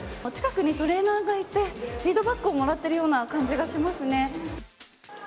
近くにトレーナーがいてフィードバックをもらっているような感じがしますね。